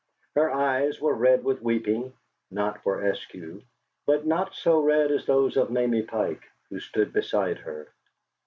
Her eyes were red with weeping (not for Eskew), but not so red as those of Mamie Pike, who stood beside her.